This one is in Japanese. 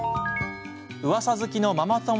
うわさ好きのママ友